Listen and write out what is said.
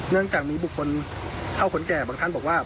เนื่องจากมีบุคคลเท่าคนแก่บางท่านบอกว่า